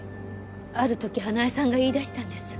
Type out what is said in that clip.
ある時花絵さんが言い出したんです。